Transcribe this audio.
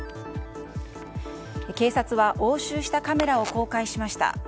警察は押収したカメラを公開しました。